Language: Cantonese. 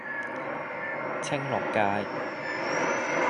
青綠街